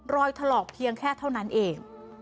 ถลอกเพียงแค่เท่านั้นเอง